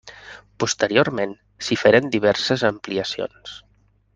Posteriorment s'hi feren diverses ampliacions.